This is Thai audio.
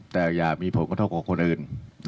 แต่อย่ามีผลกระทบกับคนอื่น